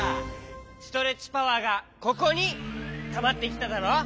ストレッチパワーがここにたまってきただろ！